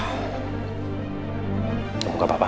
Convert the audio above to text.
kamu gak apa apa